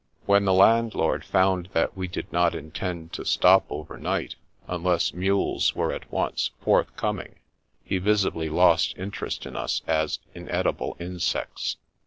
When the landlord found that we did not intend to stop overnight, unless mules were at once forthcoming, he visibly lost interest in us, as inedible insects.